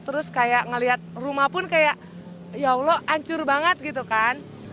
terus kayak ngeliat rumah pun kayak ya allah hancur banget gitu kan